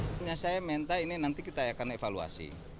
hanya saya minta ini nanti kita akan evaluasi